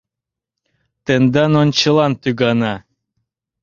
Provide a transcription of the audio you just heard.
Тендан ончылан тӱгана.